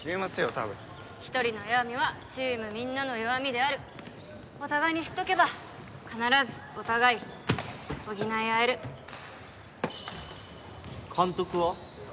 多分１人の弱みはチームみんなの弱みであるお互いに知っておけば必ずお互い補い合える監督は？